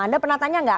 anda pernah tanya gak